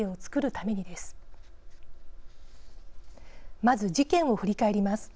まず事件を振り返ります。